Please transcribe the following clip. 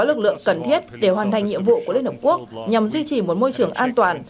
lực lượng cần thiết để hoàn thành nhiệm vụ của liên hợp quốc nhằm duy trì một môi trường an toàn